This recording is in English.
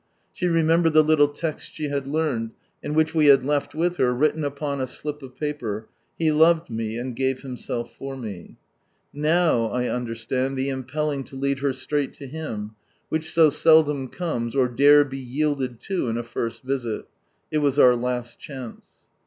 She remembered the hitle text she had learned, and which we had left with her, written upon a slip of paper, "He loved me, and gavi Him St If for me." NffU' I understand the impelling to lead her straight to Him, which so seldom comes, or dare be yielded to, in a first visit ; it was our last chance.